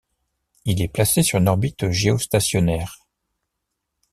Il est placé sur une orbite géostationnaire.